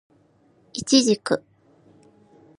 イチジク